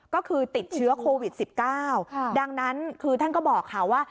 ก็คือติดเชื้อโควิด๑๙ดังนั้นคือท่านก็บอกค่ะว่า